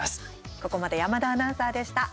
ここまで山田アナウンサーでした。